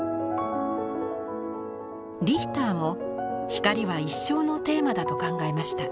リヒターも「光は一生のテーマだ」と考えました。